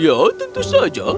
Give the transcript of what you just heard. ya tentu saja